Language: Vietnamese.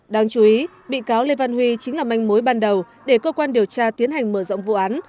đáng chú ý bị cáo lê văn huy chính là manh mối ban đầu để cơ quan điều tra tiến hành mở rộng vụ án